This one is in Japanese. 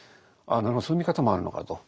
なるほどそういう見方もあるのかと。